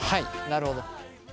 なるほど。